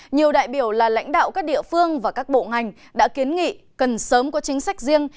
nhiều đại biểu là lãnh đạo các địa phương và các bộ ngành đã kiến nghị cần sớm có chính sách riêng